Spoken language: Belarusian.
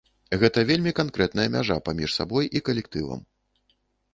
Гэта вельмі канкрэтная мяжа паміж сабой і калектывам.